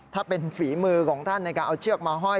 ถ้าเป็นฝีมือของท่านในการเอาเชือกมาห้อย